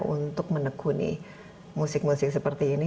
untuk menekuni musik musik seperti ini